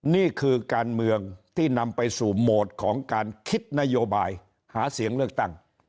นี่คือการเมืองที่นำไปสู่โหมดของการคิดนโยบายหาเสียงเลือกตั้ง